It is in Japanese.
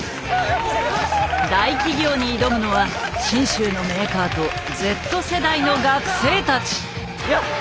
大企業に挑むのは信州のメーカーとＺ世代の学生たち。